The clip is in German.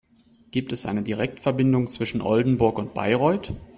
Gibt es eine Direktverbindung zwischen Oldenburg und Bayreuth?